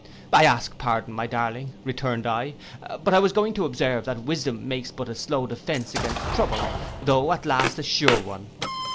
'—'I ask pardon, my darling,' returned I; 'but I was going to observe, that wisdom makes but a slow defence against trouble, though at last a sure one.